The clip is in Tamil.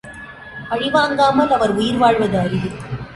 பழி வாங்காமல் அவர் உயிர் வாழ்வது அரிது.